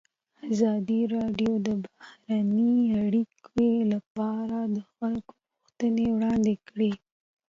ازادي راډیو د بهرنۍ اړیکې لپاره د خلکو غوښتنې وړاندې کړي.